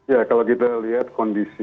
ya kalau kita lihat kondisi